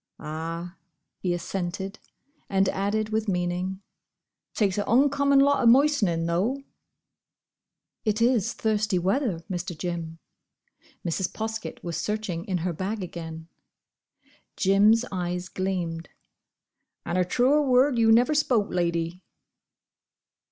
"Ah," he assented, and added with meaning, "takes a oncommon lot o' moistenin', though." "It is thirsty weather, Mr. Jim." Mrs. Poskett was searching in her bag again. Jim's eyes gleamed. "And a truer word you never spoke, Lady."